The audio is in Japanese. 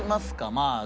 まあ。